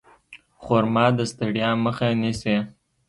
خرما د ستړیا مخه نیسي.